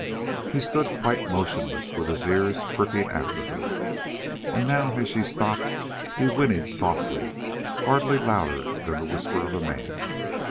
He stood quite motionless, with his ears pricking after her, and now as she stopped he whinnied softly, hardly louder than the whisper of a man.